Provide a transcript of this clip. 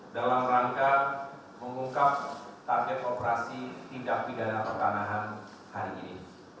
dalam rangka mengungkap target operasi tindak pidana pertanahan hari ini